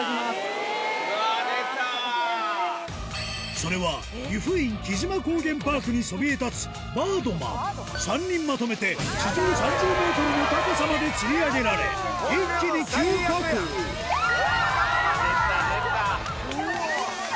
それは湯布院城島高原パークにそびえ立つバードマン３人まとめて地上３０ｍの高さまで吊り上げられ一気に急下降キャ！